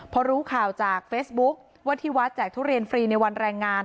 พอรู้ข่าวจากเฟซบุ๊คว่าที่วัดแจกทุเรียนฟรีในวันแรงงาน